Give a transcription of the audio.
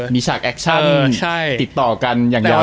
มีฉากแอคชั่นติดต่อกันอย่างยาว